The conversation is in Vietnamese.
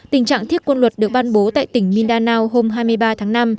tình trạng thiết quân luật được ban bố tại tỉnh mindanao hôm hai mươi ba tháng năm